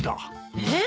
えっ？